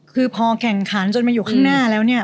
คือพอแข่งขันจนมาอยู่ข้างหน้าแล้วเนี่ย